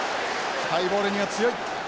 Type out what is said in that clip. ハイボールには強い。